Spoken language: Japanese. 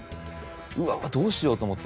うわうわどうしよう？と思って。